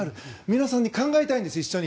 皆さんで考えたいんです一緒に。